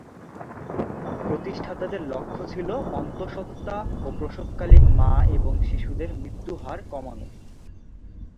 প্রতিষ্ঠাতাদের লক্ষ্য ছিল অন্তঃসত্ত্বা ও প্রসবকালীন মা এবং শিশুদের মৃত্যুহার কমানো।